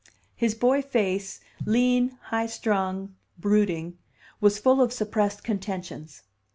His boy face, lean, high strung, brooding, was full of suppressed contentions.